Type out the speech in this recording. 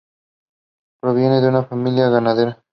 Proviene de una familia ganadera.